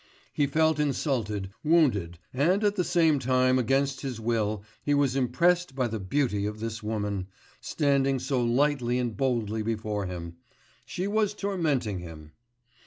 He felt insulted, wounded, and at the same time against his will he was impressed by the beauty of this woman, standing so lightly and boldly before him ... she was tormenting him.